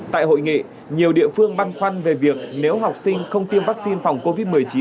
tại hội nghị nhiều địa phương băn khoăn về việc nếu học sinh không tiêm vaccine phòng covid một mươi chín